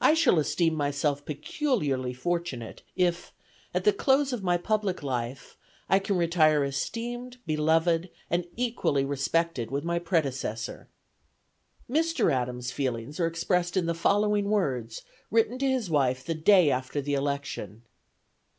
I shall esteem myself peculiarly fortunate, if, at the close of my public life, I can retire esteemed, beloved and equally respected with my predecessor." Mr. Adams' feelings are expressed in the following words, written to his wife the day after the election.